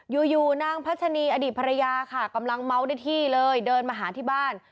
อยู่อยู่นางพัชนีอดีตภรรยาค่ะกำลังเมาได้ที่เลยเดินมาหาที่บ้าน